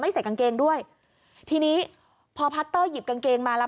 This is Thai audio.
ใส่กางเกงด้วยทีนี้พอพาร์ตเตอร์หยิบกางเกงมาแล้ว